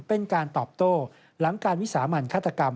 เป็นการตอบโต้หลังการวิสามันฆาตกรรม